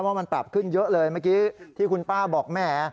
เพราะมันปรับขึ้นเยอะเลยเมื่อกี้ที่คุณป้าบอกแหม